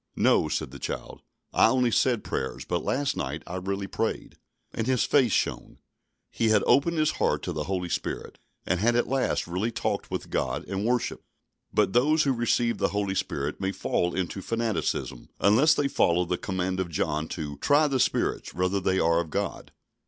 "No," said the child, "I only said prayers, but last night I really prayed." And his face shone. He had opened his heart to the Holy Spirit, and had at last really talked with God and worshipped. But those who receive the Holy Spirit may fall into fanaticism, unless they follow the command of John to "try the spirits, whether they are of God."